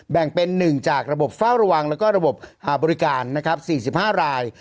แบ่งเป็น๑จากระบบเฝ้าระวังแล้วก็ระบบบริการนะครับ๔๕ราย